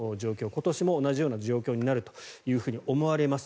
今年も同じような状況になると思われます。